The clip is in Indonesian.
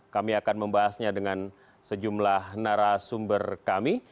kami akan membahasnya dengan sejumlah narasumber kami